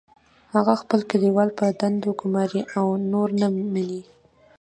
هغه خپل کلیوال په دندو ګماري او نور نه مني